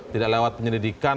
tidak lewat penyidikan